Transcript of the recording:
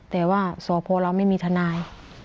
แต่ว่าสวพโพร้าวไม่มีทนาย